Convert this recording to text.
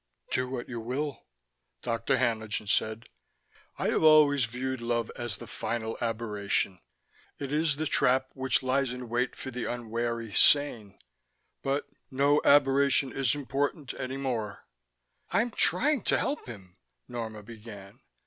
"Do what you will," Dr. Haenlingen said. "I have always viewed love as the final aberration: it is the trap which lies in wait for the unwary sane. But no aberration is important, any more...." "I'm trying to help him " Norma began.